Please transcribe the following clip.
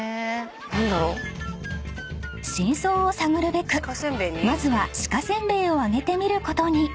［真相を探るべくまずは鹿せんべいをあげてみることに］